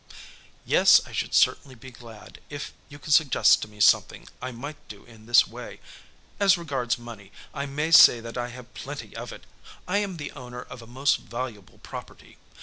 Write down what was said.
"Yes, I should certainly be glad if you could suggest to me something I might do in this way. As regards money, I may say that I have plenty of it. I am the owner of a most valuable property.